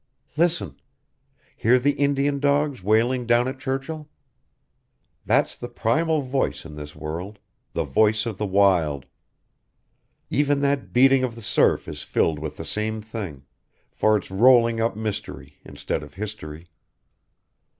Listen! Hear the Indian dogs wailing down at Churchill! That's the primal voice in this world, the voice of the wild. Even that beating of the surf is filled with the same thing, for it's rolling up mystery instead of history.